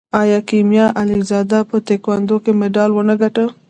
آیا کیمیا علیزاده په تکواندو کې مډال ونه ګټه؟